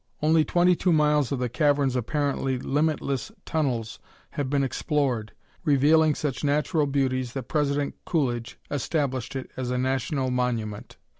Only 22 miles of the cavern's apparently limitless tunnels have been explored, revealing such natural beauties that President Coolidge established it as a national monument.